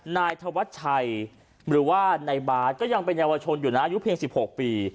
นายธวัชชัยหรือว่านายบาทก็ยังเป็นเยาวชนอยู่นะอายุเพียง๑๖ปี